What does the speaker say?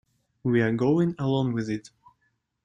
We are going along with it.